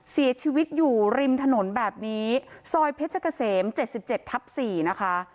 เสียชีวิตอยู่ริมถนนแบบนี้ซอยเพชรเกษมเจ็ดสิบเจ็ดทับสี่นะคะ